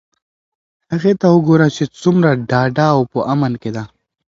هغې ته وگوره چې څومره ډاډه او په امن کې ده.